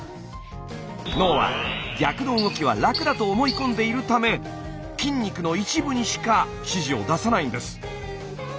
脳は逆の動きは楽だと思い込んでいるため筋肉の一部にしか指示を出さないんです。